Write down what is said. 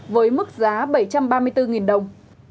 với mức giá bảy trăm ba mươi bốn đồng